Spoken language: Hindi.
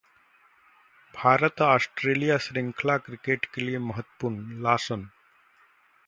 भारत-आस्ट्रेलिया श्रृंखला क्रिकेट के लिए महत्वपूर्ण: लासन